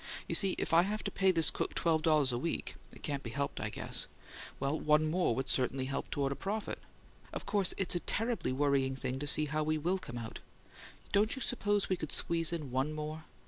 You see if I have to pay this cook twelve dollars a week it can't be helped, I guess well, one more would certainly help toward a profit. Of course it's a terribly worrying thing to see how we WILL come out. Don't you suppose we could squeeze in one more?"